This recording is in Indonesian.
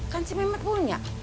kan si mehmet punya